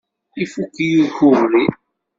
Ifukk-iyi ukebri.